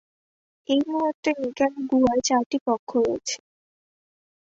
এই মুহূর্তে নিকারাগুয়ায় চারটি পক্ষ রয়েছে।